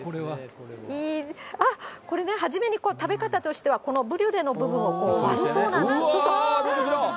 あっ、これね、初めに食べ方としては、このブリュレの部分を割るそうなんですけど。